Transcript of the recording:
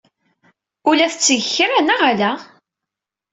Ur la tetteg kra, neɣ ala?